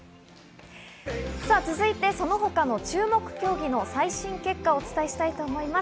続いて、その他の注目競技の最新結果をお伝えします。